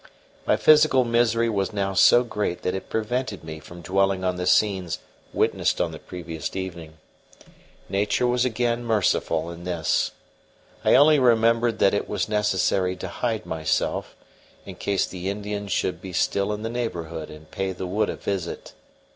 My physical misery was now so great that it prevented me from dwelling on the scenes witnessed on the previous evening. Nature was again merciful in this. I only remembered that it was necessary to hide myself, in case the Indians should be still in the neighbourhood and pay the wood a visit.